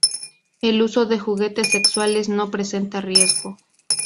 El uso de juguetes sexuales no presenta riesgo.